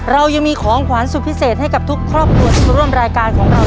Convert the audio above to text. เรายังมีของขวานสุดพิเศษให้กับทุกครอบครัวที่มาร่วมรายการของเรา